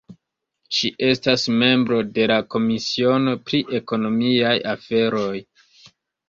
Ŝi estas membro de la komisiono pri ekonomiaj aferoj.